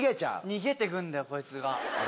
逃げてくんだよこいつが。